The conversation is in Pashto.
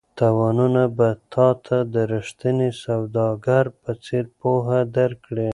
تاوانونه به تا ته د ریښتیني سوداګر په څېر پوهه درکړي.